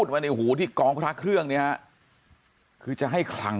ค่ะลองดูนะฮะ